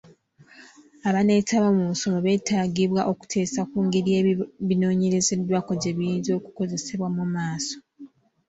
Abaneetaba mu musomo betaagibwa okuteesa ku ngeri ebinoonyerezeddwako gye biyinza okukozesebwa mu maaso.